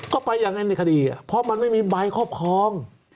ก็ไปอย่างนั้นในคดีเพราะมันไม่มีใบครอบครอง